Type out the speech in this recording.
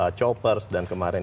dan pakai choppers dan kemudian